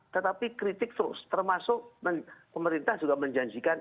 tetapi kritik terus termasuk pemerintah juga menjanjikan